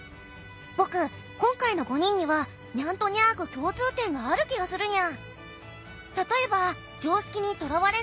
僕今回の５人にはにゃんとにゃく共通点がある気がするにゃ。